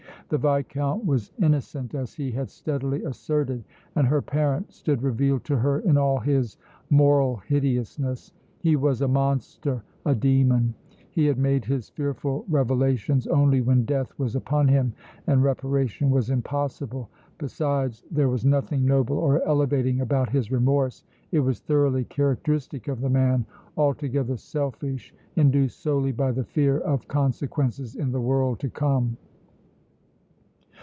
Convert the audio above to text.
The Viscount was innocent as he had steadily asserted, and her parent stood revealed to her in all his moral hideousness; he was a monster, a demon; he had made his fearful revelations only when death was upon him and reparation was impossible; besides, there was nothing noble or elevating about his remorse it was thoroughly characteristic of the man altogether selfish, induced solely by the fear of consequences in the world to come.